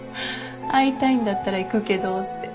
会いたいんだったら行くけどって。